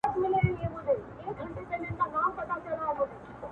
لومړی د درد زګيروي او رواني حالت انځور کيږي وروسته حقيقت څرګنديږي,